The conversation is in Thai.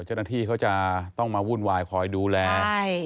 เจ้าหน้าที่เขาจะต้องมาวุ่นวายคอยดูแล